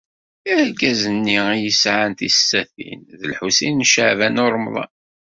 Argaz-nni i yesɛan tisatin d Lḥusin n Caɛban u Ṛemḍan.